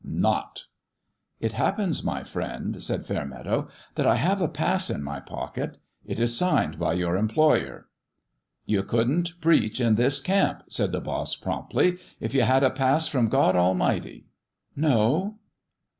"Not!" 144 FIST PLAY "It happens, my friend," said Fairmeadow, " that I have a pass in my pocket. It is signed by your employer." " You couldn't preach in this camp," said the boss, promptly, "if you had a pass from God Almighty." "No?"